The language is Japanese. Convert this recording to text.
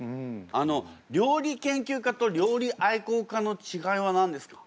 あの料理研究家と料理愛好家のちがいは何ですか？